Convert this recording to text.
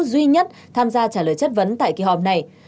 duy nhất tham gia trả lời chất vấn tại kỳ họp này